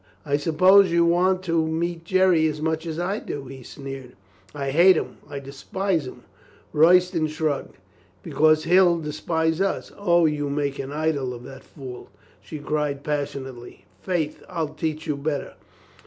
"I suppose you want to meet Jerry as much as I do," he sneered. "I hate him! I despise him!" Royston shrugged. "Because he'll despise us?" "O, you make an idol of that fool !" she cried pas sionately. "Faith, I'll teach you better.